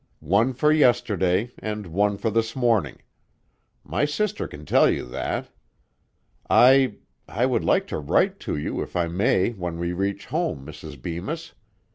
"One for yesterday and one for this morning; my sister can tell you that. I I would like to write to you if I may when we reach home, Mrs. Bemis.